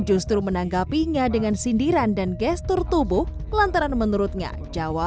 dan situasi canvas ini akan menjadi bahaya f fazanda tidak hanya tertutup di canggung mati kita juga